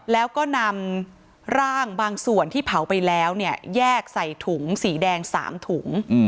แล้วก็นำร่างบางส่วนที่เผาไปแล้วเนี่ยแยกใส่ถุงสีแดง๓ถุง